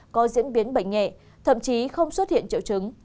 có diễn biến bệnh nhẹ thậm chí không xuất hiện triệu chứng